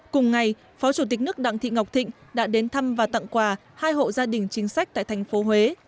cùng ngày phó chủ tịch nước đặng thị ngọc thịnh đã đến thăm và tặng quà hai hộ gia đình chính sách tại thành phố huế